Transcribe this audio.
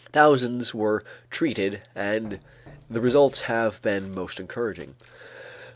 Thousands were treated and the results have been "most encouraging."